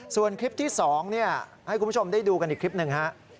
ส่วนคลิปที่๒ให้คุณผู้ชมได้ดูกันอีกคลิปหนึ่งฮะ